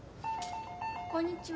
こんにちは。